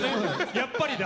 やっぱりだ！